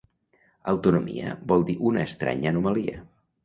Autonomia vol dir una estranya anomalia